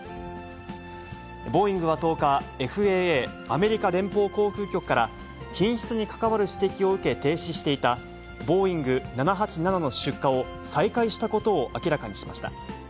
ボーイングは１０日、ＦＡＡ・アメリカ連邦航空局から、品質に関わる指摘を受け停止していた、ボーイング７８７の出荷を、再開したことを明らかにしました。